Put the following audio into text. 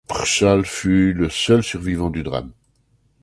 Prchal fut le seul survivant du drame.